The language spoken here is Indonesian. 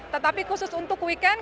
tetapi khusus untuk weekend